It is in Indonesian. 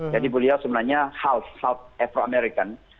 jadi beliau sebenarnya south afro american